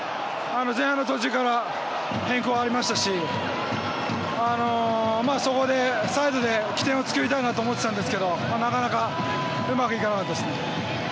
前半の途中から変更はありましたしそこでサイドで起点を作りたいなと思っていたんですけどなかなかうまくいかなかったです。